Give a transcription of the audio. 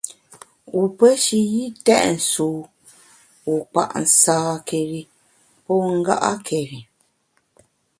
Wu pe ntue yi têt sùwu, wu kpa’ nsâkeri pô nga’keri.